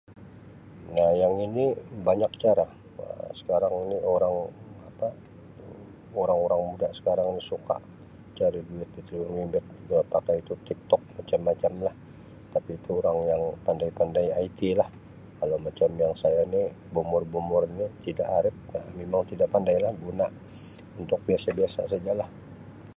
"Um Yang ini banyak cara Um sekarang ni orang apa orang-orang muda sekarang ni suka cari duit itu yang dia pakai itu ""TikTok"" macam-macam lah. Tapi tu orang yang pandai-pandai ""IT"" lah. Kalau macam yang saya ini, beumur-beumur ini tidak arip memang tidak pandai lah, guna untuk biasa-biasa saja lah. "